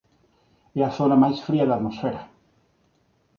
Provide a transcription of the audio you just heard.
É a zona máis fría da atmosfera.